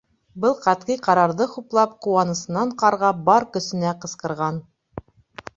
Был ҡәтғи ҡарарҙы хуплап, ҡыуанысынан Ҡарға бар көсөнә ҡысҡырған: